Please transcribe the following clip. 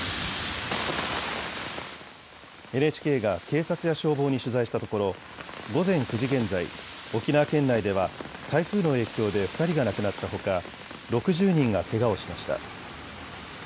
ＮＨＫが警察や消防に取材したところ、午前９時現在、沖縄県内では台風の影響で２人が亡くなったほか６０人がけがをしました。